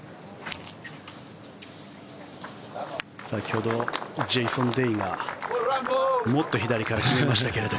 先ほどジェイソン・デイがもっと左から決めましたけど。